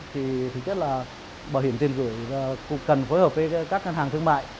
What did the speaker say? thì thực chất là bảo hiểm tiền gửi cũng cần phối hợp với các ngân hàng thương mại